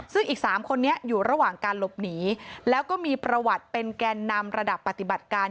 ซึ่งอีก๓คนนี้อยู่ระหว่างการหลบหนีแล้วก็มีประวัติเป็นแกนนำระดับปฏิบัติการ